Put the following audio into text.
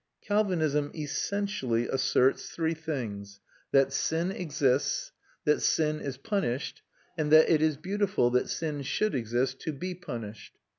Calvinism, essentially, asserts three things: that sin exists, that sin is punished, and that it is beautiful that sin should exist to be punished.